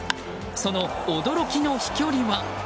その驚きの飛距離は？